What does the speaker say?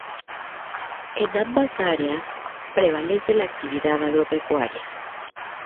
En ambas áreas prevalece la actividad agropecuaria.